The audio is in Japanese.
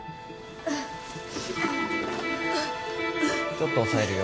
ちょっと押さえるよ。